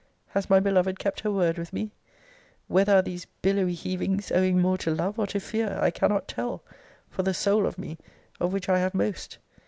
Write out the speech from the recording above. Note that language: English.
Has my beloved kept her word with me? Whether are these billowy heavings owing more to love or to fear? I cannot tell, for the soul of me, of which I have most.